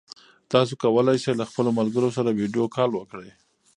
تاسي کولای شئ له خپلو ملګرو سره ویډیو کال وکړئ.